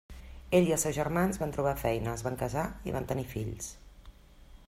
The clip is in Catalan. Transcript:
Ell i els seus germans van trobar feina, es van casar i van tenir fills.